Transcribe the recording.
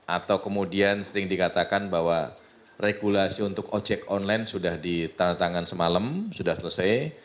atau kemudian sering dikatakan bahwa regulasi untuk ojek online sudah ditandatangan semalam sudah selesai